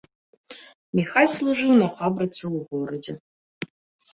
Міхась служыў на фабрыцы ў горадзе.